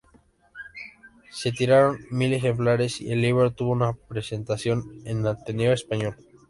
Se tiraron mil ejemplares, y el libro tuvo una presentación en el Ateneo Español.